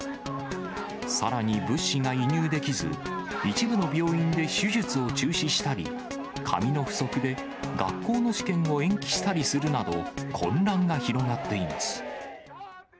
さらに物資が輸入できず、一部の病院で手術を中止したり、紙の不足で学校の試験を延期したりするなど、混乱が広がっています。